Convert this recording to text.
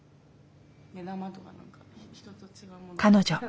彼女。